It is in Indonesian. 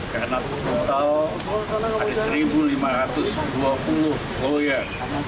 karena total ada satu lima ratus dua puluh lawyer